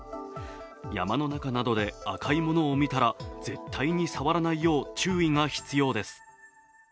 山の中などで赤いものを見たら絶対に触らないよう注意が必要です。